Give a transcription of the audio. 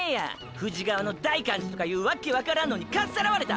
富士川の大観寺とかいうわけわからんのにかっさらわれた！！